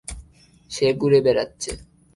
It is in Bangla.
সে ঘুরে বেরাচ্ছে।